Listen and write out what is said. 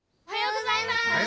おはようございます！